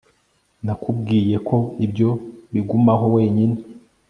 Nakubwiye ko ibyo bigumaho wenyine